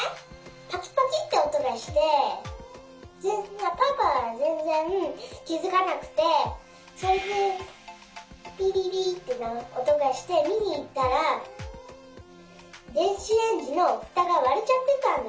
パキパキっておとがしてパパはぜんぜんきづかなくてそれでピピピっておとがしてみにいったらでんしレンジのふたがわれちゃってたんだよ。